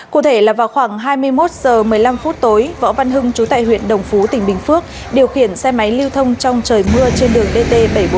cụ thể là vào khoảng hai mươi một h một mươi năm phút tối võ văn hưng chú tại huyện đồng phú tỉnh bình phước điều khiển xe máy lưu thông trong trời mưa trên đường dt bảy trăm bốn mươi